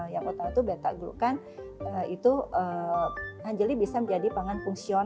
yang pertama itu beta glukan itu anjali bisa menjadi pangan fungsional